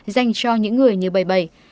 dành cho những người như bầy bầy